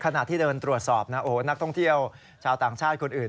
ขณะที่เดินตรวจสอบนะโอ้โหนักท่องเที่ยวชาวต่างชาติคนอื่น